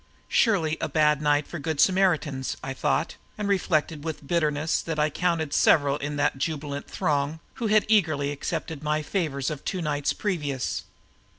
Surely a bad night for Good Samaritans, I thought, and reflected with bitterness that I counted several in that jubilant throng who had eagerly accepted my favors of the two nights previous.